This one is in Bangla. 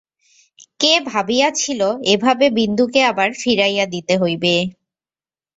কে ভাবিয়াছিল এভাবে বিন্দুকে আবার ফিরাইয়া দিতে হইবে।